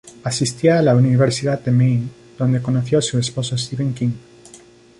Asistía a la Universidad de Maine, donde conoció a su esposo Stephen King.